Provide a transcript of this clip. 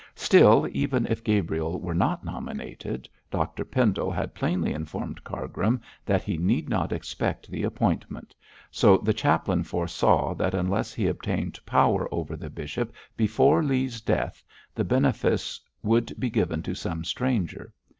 Still, even if Gabriel were not nominated, Dr Pendle had plainly informed Cargrim that he need not expect the appointment, so the chaplain foresaw that unless he obtained power over the bishop before Leigh's death, the benefice would be given to some stranger.